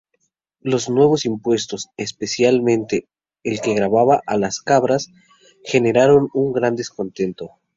Los nuevos impuestos, especialmente el que gravaba a las cabras, generaron un gran descontento.